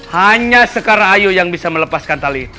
hanya sekarayu yang bisa melepaskan tali itu